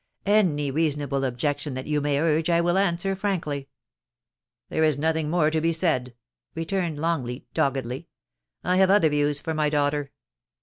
Any reason able objection that you may urge I will answer frankly.' 'There is nothing more to be said,* returned Longleat, doggedly ;* I have other views for my daughter.'